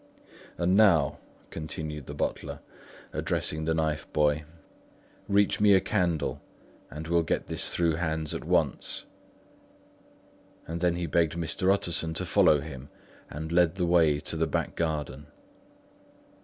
"And now," continued the butler, addressing the knife boy, "reach me a candle, and we'll get this through hands at once." And then he begged Mr. Utterson to follow him, and led the way to the back garden.